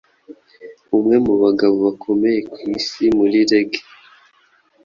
umwe mu bagabo bakomeye ku isi muri Reggae.